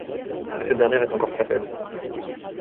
Mais cette dernière est encore très faible.